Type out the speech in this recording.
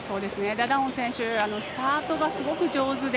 ダダオン選手、スタートがすごく上手で。